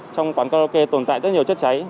trong quán carlocke tồn tại rất nhiều chất cháy